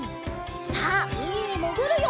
さあうみにもぐるよ！